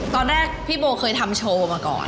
ตอนแรกพี่โบเคยทำโชว์มาก่อน